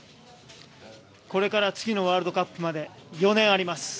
これから次のワールドカップまで４年あります。